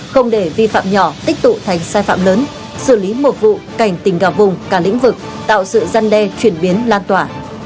không để vi phạm nhỏ tích tụ thành sai phạm lớn xử lý một vụ cảnh tình cả vùng cả lĩnh vực tạo sự gian đe chuyển biến lan tỏa